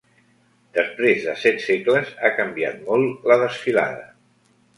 Després de set segles ha canviat molt la desfilada.